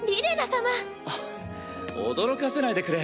あっ驚かせないでくれ。